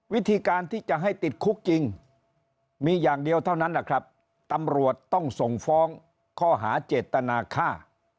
วิธีการที่จะให้ติดคุกจริงมีอย่างเดียวเท่านั้นแหละครับตำรวจต้องส่งฟ้องข้อหาเจตนาฆ่า